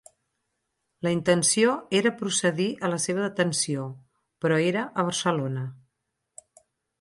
La intenció era procedir a la seva detenció, però era a Barcelona.